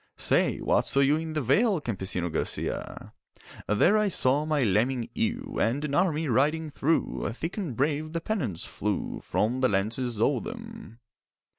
'Say, what saw you in the vale, Campesino Garcia?' 'There I saw my lambing ewe And an army riding through, Thick and brave the pennons flew From the lances o'er them.